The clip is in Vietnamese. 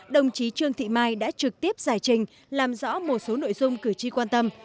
đồng chí trương thị mai đã trực tiếp giải trình làm rõ một số nội dung cử tri quan tâm